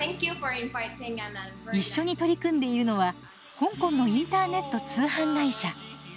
一緒に取り組んでいるのは香港のインターネット通販会社。